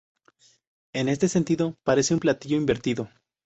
En este sentido parece un platillo invertido.